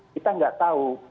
kita nggak tahu